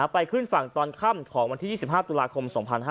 ไปขึ้นฝั่งตอนค่ำของวันที่๒๕ตุลาคม๒๕๕๙